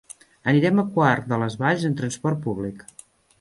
Anirem a Quart de les Valls amb transport públic.